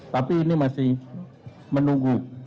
tapi ini masih menunggu